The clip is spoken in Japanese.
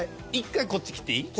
１回こっち来ていい？